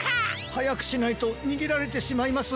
はやくしないとにげられてしまいます。